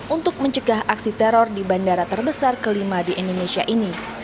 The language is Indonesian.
untuk mencegah aksi teror di bandara terbesar kelima di indonesia ini